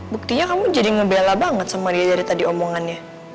buktinya kamu jadi ngebela banget sama dia dari tadi omongannya